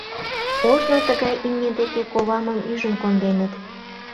Ожно тыгай имне деке ковамым ӱжын конденыт.